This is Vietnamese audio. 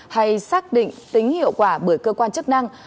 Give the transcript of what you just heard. hay xác định tính hiệu quả bởi cơ quan chức năng